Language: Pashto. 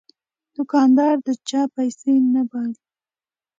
دوکاندار د چا پیسې نه بایلي.